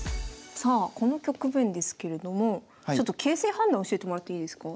さあこの局面ですけれども形勢判断教えてもらっていいですか？